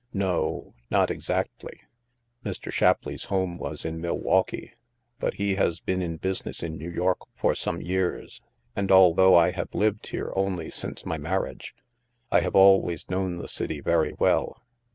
"" No o; not exactly. Mr. Shapleigh's home was in Milwaukee, but he has been in business in New York for some years; and although I have lived here only since my marriage, I have always known the city very well.